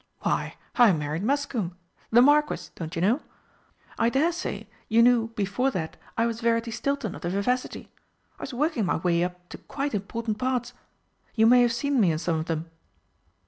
"Why, I married Muscombe the Marquis, don't you know. I dare say you knew before that I was Verity Stilton of the Vivacity. I was working my way up to quite important parts. You may have seen me in some of them?"